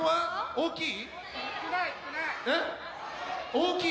大きい！